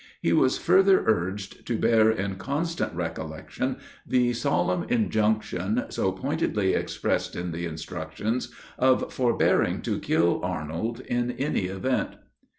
He was further urged to bear in constant recollection the solemn injunction, so pointedly expressed in the instructions, of forbearing to kill Arnold in any event.